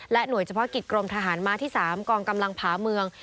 หน่วยเฉพาะกิจกรมทหารม้าที่๓กองกำลังผาเมือง